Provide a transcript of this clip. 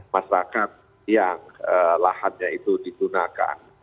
masyarakat yang lahannya itu digunakan